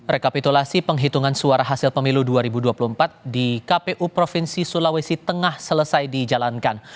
rekapitulasi penghitungan suara hasil pemilu dua ribu dua puluh empat di kpu provinsi sulawesi tengah selesai dijalankan